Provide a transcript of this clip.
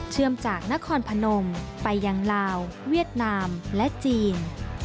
จากนครพนมไปยังลาวเวียดนามและจีน